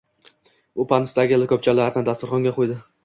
U patnisdagi likopchalarni dasturxonga qo`ydi